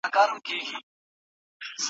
ما چي د ميني په شال ووهي ويده سمه زه